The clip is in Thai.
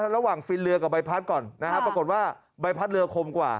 ระหว่างฟินเรือกับใบพัดก่อนปรากฏว่าใบพัดเรือคมกว่า